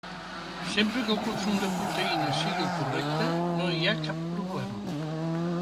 Sempre que el consum de proteïnes sigui el correcte, no hi ha cap problema.